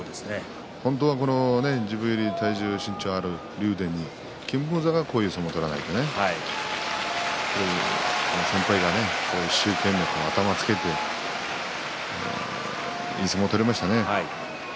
本当は自分よりも体重、身長がある金峰山がこういう相撲を取らなければね先輩が一生懸命、頭をつけていい相撲を取りましたね。